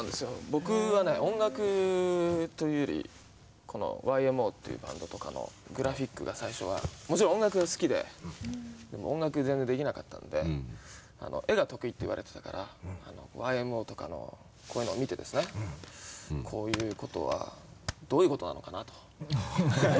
僕はね音楽というよりこのＹ．Ｍ．Ｏ．っていうバンドとかのグラフィックが最初はもちろん音楽も好きで音楽全然できなかったんで絵が得意って言われてたからＹ．Ｍ．Ｏ．とかのこういうのを見てですねこういうことはどういうことなのかなと。